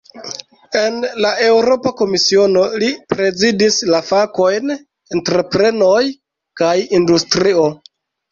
En la Eŭropa Komisiono, li prezidis la fakojn "entreprenoj kaj industrio".